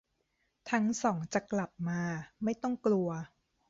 ทั้งสองจะกลับมา ไม่ต้องกลัว